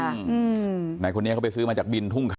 อืมไหนคนนี้เขาไปซื้อมาจากบินทุ่งค้า